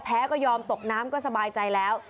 ก็ยอมตกน้ำก็สบายใจแล้ว